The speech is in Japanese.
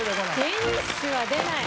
デニッシュは出ない。